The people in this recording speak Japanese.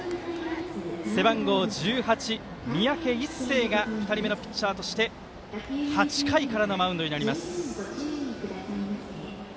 背番号１８、三宅一誠が２人目のピッチャーとして８回からのマウンドになります。